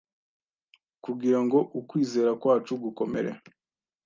Kugira ngo ukwizera kwacu gukomere,